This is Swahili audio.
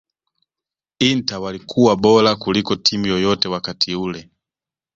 Inter walikuwa bora kuliko timu yoyote wakati ule